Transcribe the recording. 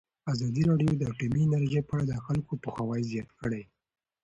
ازادي راډیو د اټومي انرژي په اړه د خلکو پوهاوی زیات کړی.